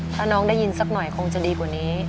ถ้าน้องได้ยินสักหน่อยคงจะดีกว่านี้